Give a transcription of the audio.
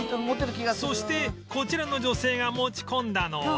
そしてこちらの女性が持ち込んだのは